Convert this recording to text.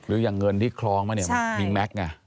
หรืออย่างเงินที่คล้องมาเนี่ยมันมีแม็กซ์ไง